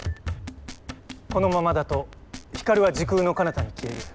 このままだとヒカルは時空のかなたに消える。